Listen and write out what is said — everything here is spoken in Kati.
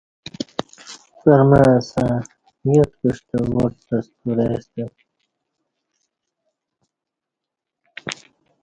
پرمع اسݩ یاد کعستہ واٹ تہ سترے ستہ پورستہ اسہ